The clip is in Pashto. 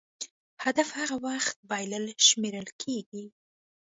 هدف هغه وخت بایللی شمېرل کېږي.